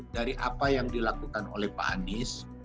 dari apa yang dilakukan oleh pak anies